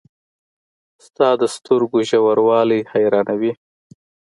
• ستا د سترګو ژوروالی حیرانوي.